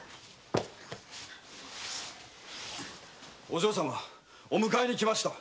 お嬢様お迎えに来ました！